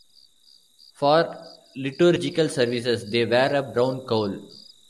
For liturgical services, they wear a brown cowl.